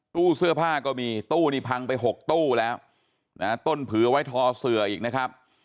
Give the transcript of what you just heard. ตู้เสื้อผ้าก็มีตู้นี่พังไป๖ตู้แล้วนะต้นผือไว้ทอเสืออีกนะครับ